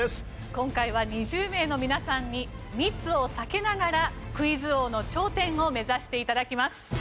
今回は２０名の皆さんに密を避けながらクイズ王の頂点を目指して頂きます。